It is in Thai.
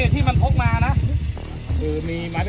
สวัสดีครับ